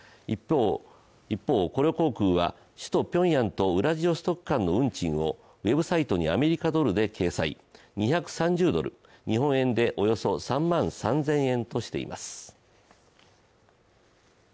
一方、コリョ航空は首都ピョンヤンとウラジオストク間の運賃をウェブサイトにアメリカドルで掲載、２３０ドル日本円でおよそ３万３０００円としています。